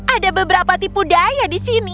ada beberapa tipu daya di sini